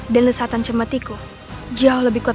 dan lesatan cemetiku jauh lebih kuat